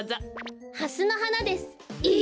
ハスのはなです。え！？